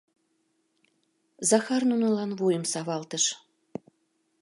Захар нунылан вуйым савалтыш.